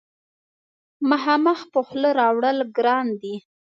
مخامخ په خوله راوړل ګران دي.